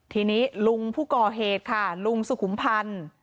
ทีนี้ลุงผู้ก่อเหตุค่ะลุงสุขุมพันธ์